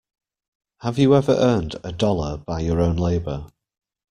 Have you ever earned a dollar by your own labour.